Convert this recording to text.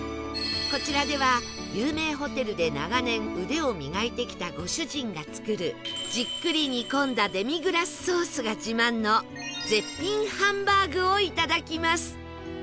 こちらでは有名ホテルで長年腕を磨いてきたご主人が作るじっくり煮込んだデミグラスソースが自慢の絶品ハンバーグをいただきます